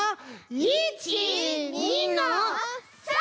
１２の３！